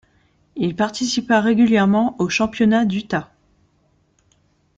Il participa régulièrement aux championnats d'Utah.